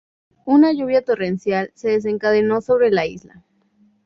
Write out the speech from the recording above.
Una lluvia torrencial se desencadenó sobre la isla.